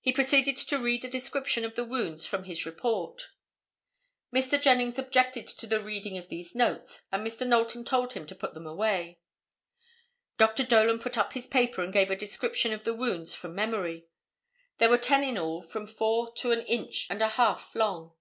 He proceeded to read a description of the wounds from his report. Mr. Jennings objected to the reading of these notes and Mr. Knowlton told him to put them away. Dr. Dolan put up his paper and gave a description of the wounds from memory. There were ten in all from four to an inch and a half long.